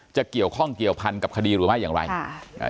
จะเกี่ยวข้องเกี่ยวพันกับคดีหรือไม่อย่างไรค่ะอ่า